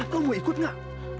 kau mau ikut gak